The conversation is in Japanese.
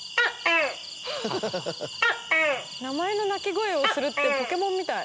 名前の鳴き声をするってポケモンみたい。